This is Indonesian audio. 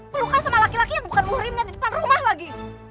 pelukan sama laki laki yang bukan murimnya di depan rumah lagi